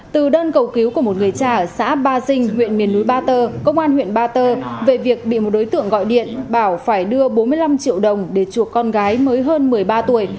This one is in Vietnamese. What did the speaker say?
từ đơn cầu cứu của một người cha ở xã ba dinh huyện miền núi ba tơ công an huyện ba tơ về việc bị một đối tượng gọi điện bảo phải đưa bốn mươi năm triệu đồng để chuộc con gái mới hơn một mươi ba tuổi